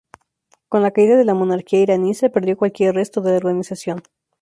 Con la caída de la monarquía iraní se perdió cualquier resto de la organización.